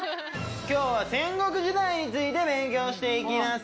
今日は戦国時代について勉強して行きます。